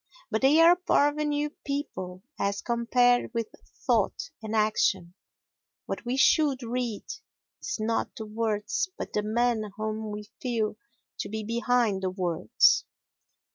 But they are parvenu people as compared with thought and action. What we should read is not the words but the man whom we feel to be behind the words.